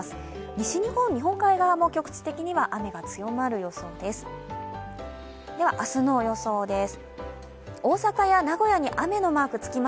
西日本、日本海側も局地的には雨が強まる予想です。